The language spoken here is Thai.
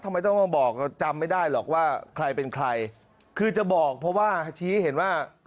ทำไมต้องมาบอกจำไม่ได้หรอกว่าใครเป็นใครคือจะบอกเพราะว่าชี้ให้เห็นว่า